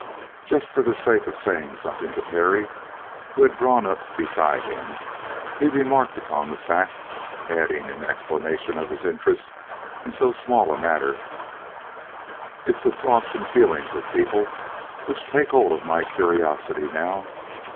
Just for the sake of saying something to Perry, who had drawn up beside him, he remarked upon the fact, adding in explanation of his interest in so small a matter: "It's the thoughts and feelings of people which take hold of my curiosity now.